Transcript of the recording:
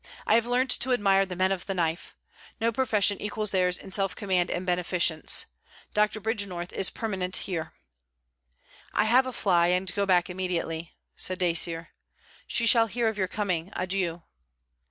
I have learnt to admire the men of the knife! No profession equals theirs in self command and beneficence. Dr. Bridgenorth is permanent here.' 'I have a fly, and go back immediately,' said Dacier. 'She shall hear of your coming. Adieu.'